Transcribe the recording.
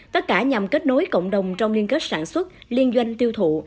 tất cả nhằm kết nối cộng đồng trong liên kết sản xuất liên doanh tiêu thụ